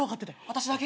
私だけ？